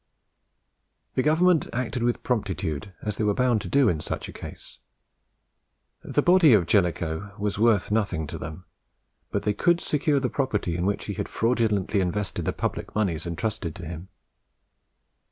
The Government acted with promptitude, as they were bound to do in such a case. The body of Jellicoe was worth nothing to them, but they could secure the property in which he had fraudulently invested the public moneys intrusted to him.